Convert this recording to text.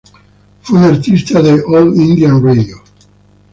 Fue un artista de "All India Radio".